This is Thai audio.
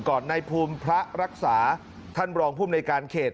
ในภูมิพระรักษาท่านรองภูมิในการเขต